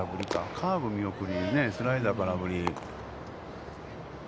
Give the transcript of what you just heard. カーブ見送りに、スライダー空振り。